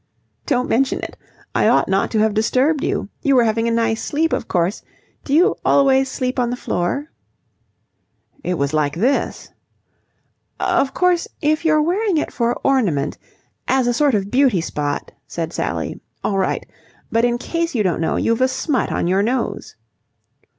"Don't mention it. I ought not to have disturbed you. You were having a nice sleep, of course. Do you always sleep on the floor?" "It was like this..." "Of course, if you're wearing it for ornament, as a sort of beauty spot," said Sally, "all right. But in case you don't know, you've a smut on your nose."